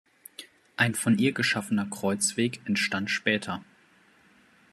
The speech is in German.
Ein von ihr geschaffener Kreuzweg entstand später.